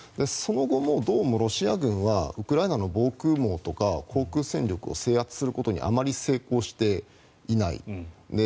その後も、どうもロシア軍はウクライナの防空網とか航空戦力を制圧することにあまり成功していない。